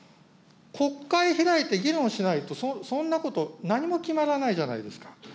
国会開いて議論しないと、そんなこと、何も決まらないじゃないですか。